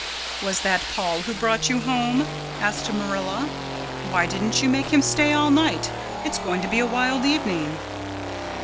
"Was that Paul who brought you home?" asked Marilla. "Why didn't you make him stay all night. It's going to be a wild evening."